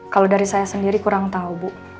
kalau dari saya sendiri kurang tahu bu